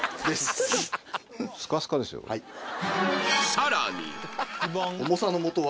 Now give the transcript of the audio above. さらに